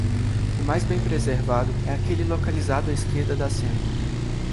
O mais bem preservado é aquele localizado à esquerda da cena.